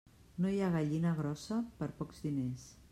No hi ha gallina grossa per pocs diners.